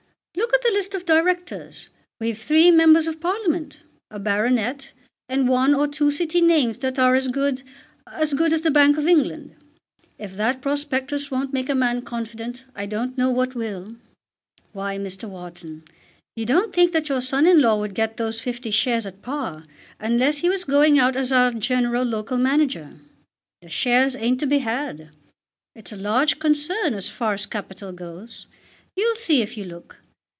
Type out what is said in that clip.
"Look at the list of Directors. We've three members of Parliament, a baronet, and one or two City names that are as good as good as the Bank of England. If that prospectus won't make a man confident I don't know what will. Why, Mr. Wharton, you don't think that your son in law would get those fifty shares at par unless he was going out as our general local manager. The shares ain't to be had. It's a large concern as far as capital goes. You'll see if you look.